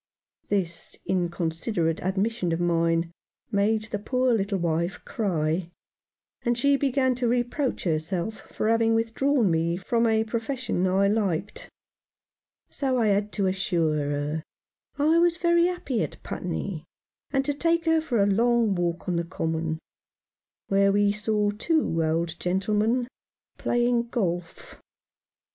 This inconsiderate admission of mine made the poor little wife cry, and she began to reproach herself for having withdrawn me from a profession I liked ; so I had to assure her I was very happy at Putney, and to take her for a long walk on the Common, where we saw two old gentlemen playing golf.